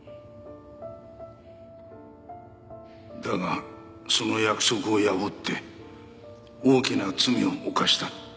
だがその約束を破って大きな罪を犯した。